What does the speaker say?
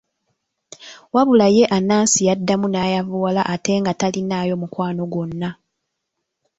Wabula ye Anansi yaddamu n'ayavuwala ate nga talinaayo mukwano gwonna.